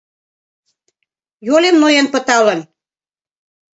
Йолем ноен пыталын.